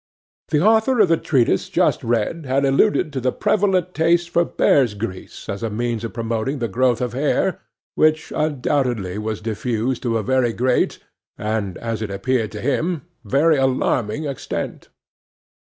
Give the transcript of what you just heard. The author of the treatise just read had alluded to the prevalent taste for bears' grease as a means of promoting the growth of hair, which undoubtedly was diffused to a very great and (as it appeared to him) very alarming extent.